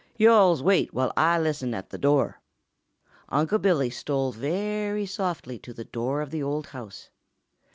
Yo'alls wait while Ah listen at the door." Unc' Billy stole very softly to the door of the old house.